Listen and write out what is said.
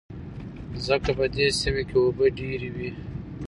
ځکه په دې سيمه کې اوبه ډېر وې.